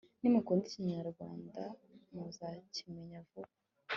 nimukunda ikinyarwanda, muzakimenya vuba